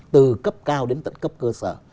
từ cấp cao đến tận cấp cơ sở